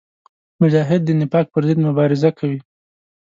مجاهد د نفاق پر ضد مبارزه کوي.